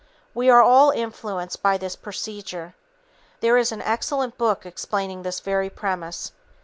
We are all influenced by this procedure. There is an excellent book explaining this very premise.